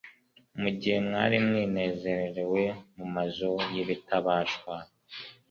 Mu gihe mwari mwinezererewe mu mazu y'ibitabashwa,